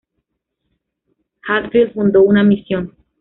Hadfield fundó una misión.